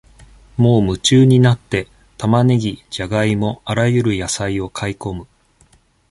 もう夢中になって、玉ねぎ、じゃがいも、あらゆる野菜を買い込む。